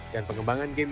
dan pengembangan game ini